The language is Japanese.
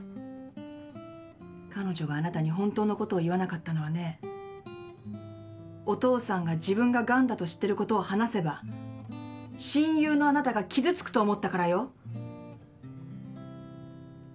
彼女があなたに本当のことを言わなかったのはねお父さんが自分がガンだと知ってることを話せば親友のあなたが傷つくと思ったからよ。